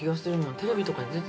テレビとかに出て。